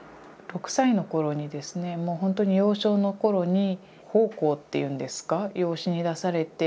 ６歳の頃にですねもうほんとに幼少の頃に奉公っていうんですか養子に出されて。